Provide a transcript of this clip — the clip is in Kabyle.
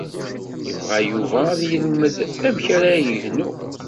Yebɣa Yuba ad yelmed amek ara yegnu.